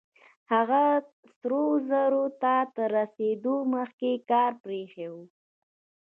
هغه سرو زرو ته تر رسېدو مخکې کار پرېښی و.